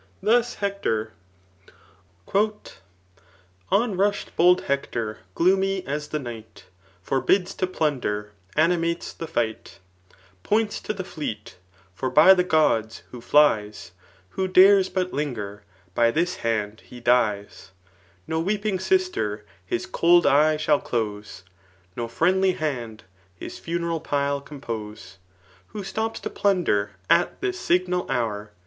Thus Hector — On nuh'd bold Hector, gloomy as the nlgfit ; Forbids to plunder, animates the fight ; Poinu to the fleet ; fbr by the gods^'^o flies, Who dares but linger, by this hand he dies ; No weeping sister his cold eye.shaU close, No friendly hand his funeral pile compose. Who stops to plunder at this signal hour.